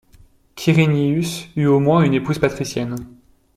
Quirinius eut au moins une épouse patricienne.